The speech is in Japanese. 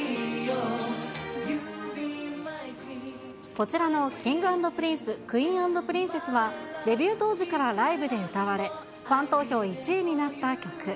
こちらのＫｉｎｇ＆Ｐｒｉｎｃｅ、クイーン＆プリンセスは、デビュー当時からライブで歌われ、ファン投票１位になった曲。